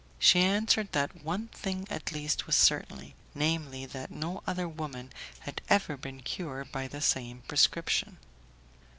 She answered that one thing at least was certain, namely that no other woman had ever been cured by the same prescription.